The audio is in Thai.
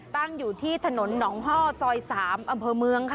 ตั้งอยู่ที่ถนนหนองฮ่อซอย๓อำเภอเมืองค่ะ